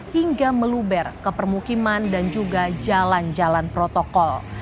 hingga meluber ke permukiman dan juga jalan jalan protokol